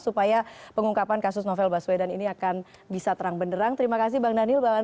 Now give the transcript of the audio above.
oke baik kita harus tutup dialog ini kita akan lanjutkan lain kali karena ini kasus yang masih harus terus dikawal